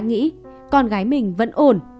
nghĩ con gái mình vẫn ổn